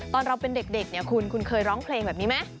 ตอนเราเป็นเด็กคุณเคยร้องเพลงแบบนี้ไหม